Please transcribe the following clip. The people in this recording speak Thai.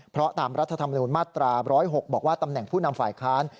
เพราะตามรัฐธรรมนูญมาตรา๑๐๖บอกว่าตำแหน่งผู้นำฝ่ายค้าน